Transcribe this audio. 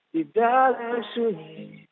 di dalam sunyi